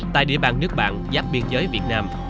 tại địa bàn nước bạn giáp biên giới việt nam